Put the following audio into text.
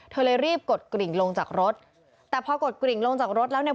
เธอเลยรีบกดกริ่งลงจากรถแต่พอกดกริ่งลงจากรถแล้วเนี่ย